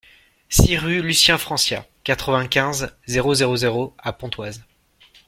six rue Lucien Francia, quatre-vingt-quinze, zéro zéro zéro à Pontoise